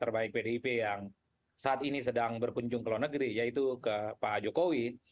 terbaik pdip yang saat ini sedang berkunjung ke luar negeri yaitu ke pak jokowi